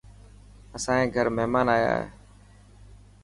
اسائي گھر مهمان آيا هي.